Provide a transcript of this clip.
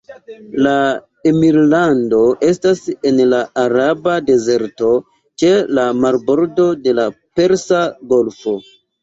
La emirlando estas en la Araba Dezerto ĉe la marbordo de la Persa Golfo.